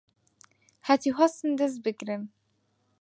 هەتیو هەستن دەس بگرن